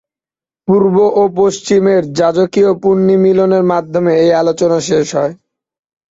পূর্ব ও পশ্চিমের যাজকীয় পুনর্মিলনের মাধ্যমে এই আলোচনা শেষ হয়।